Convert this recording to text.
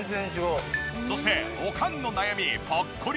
そしておかんの悩みぽっこり